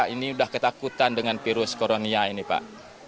ini sudah ketakutan dengan virus corona ini pak